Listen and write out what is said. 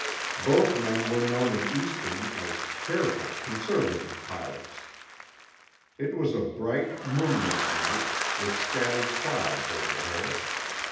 Both men were known in Eastern as careful, conservative pilots. It was a bright, moonlit night, with scattered clouds overhead.